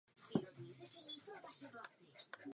Leží na západním břehu Bílého Nilu.